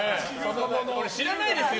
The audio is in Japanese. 知らないですよ